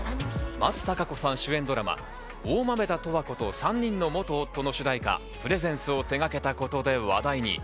松たか子さん主演ドラマ『大豆田とわ子と三人の元夫』の主題歌、『Ｐｒｅｓｅｎｃｅ』を手がけたことで話題に。